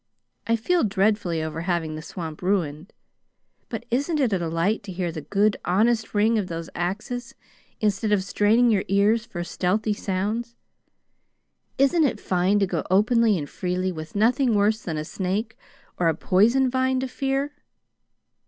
I feel dreadfully over having the swamp ruined, but isn't it a delight to hear the good, honest ring of those axes, instead of straining your ears for stealthy sounds? Isn't it fine to go openly and freely, with nothing worse than a snake or a poison vine to fear?"